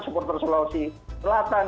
supporter sulawesi selatan